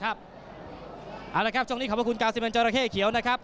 เอาละครับตรงนี้ขอบคุณ๙๑จอระเข้เขียวนะครับ